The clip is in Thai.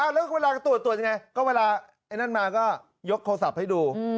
แล้วเวลาตรวจตรวจยังไงก็เวลาไอ้นั่นมาก็ยกโทรศัพท์ให้ดู